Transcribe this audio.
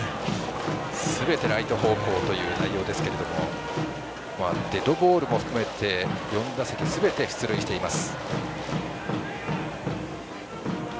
すべてライト方向という内容ですけれどもデッドボールも含めて４打席すべて出塁しています。